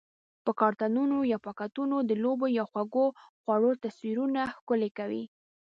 په کارتنونو یا پاکټونو د لوبو یا خوږو خوړو تصویرونه ښکلي کوي؟